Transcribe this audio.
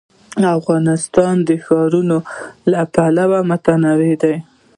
افغانستان د ښارونه له پلوه متنوع دی.